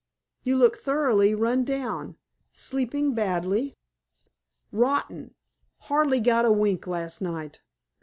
You look thoroughly run down. Sleepin' badly?" "Rotten! Hardly got a wink last night."